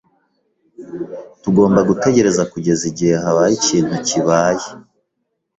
Tugomba gutegereza kugeza igihe habaye ikintu kibaye